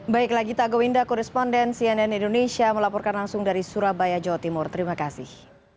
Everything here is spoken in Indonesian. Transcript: baik lagi tagawinda koresponden cnn indonesia melaporkan langsung dari surabaya jawa timur terima kasih